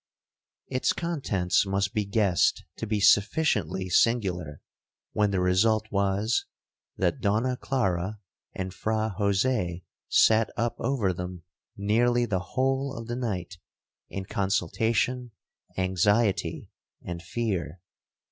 'Its contents must be guessed to be sufficiently singular, when the result was, that Donna Clara and Fra Jose sat up over them nearly the whole of the night, in consultation, anxiety, and fear.